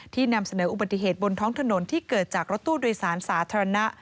นำเสนออุบัติเหตุบนท้องถนนที่เกิดจากรถตู้โดยสารสาธารณะ